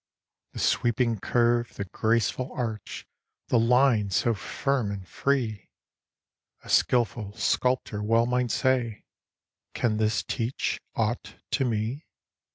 The sweeping curve, the graceful arch, The line so firm and free; A skilful sculptor well might say: "Can this teach aught to me?"